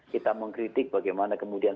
kita mengkritik bagaimana kemudian